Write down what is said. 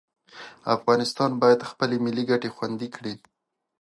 افغانستان باید خپلې ملي ګټې خوندي کړي.